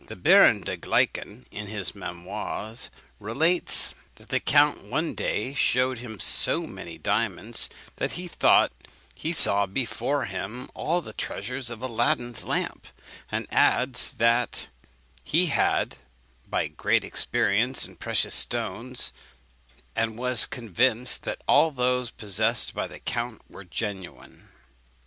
The Baron de Gleichen, in his Memoirs, relates that the count one day shewed him so many diamonds, that he thought he saw before him all the treasures of Aladdin's lamp; and adds, that he had had great experience in precious stones, and was convinced that all those possessed by the count were genuine.